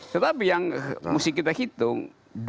tetapi yang mesti kita hitung